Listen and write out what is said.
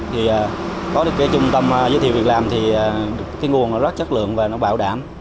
thì có được cái trung tâm giới thiệu việc làm thì cái nguồn nó rất chất lượng và nó bảo đảm